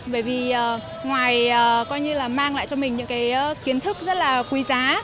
bởi vì ngoài coi như là mang lại cho mình những cái kiến thức rất là quý giá